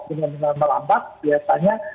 benar benar melambat biasanya